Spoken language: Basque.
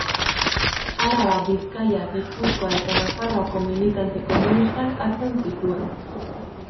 Araba, Bizkaia, Gipuzkoa eta Nafarroako militante komunistak hartzen zituen.